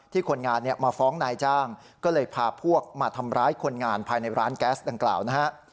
คนงานมาฟ้องนายจ้างก็เลยพาพวกมาทำร้ายคนงานภายในร้านแก๊สดังกล่าวนะฮะ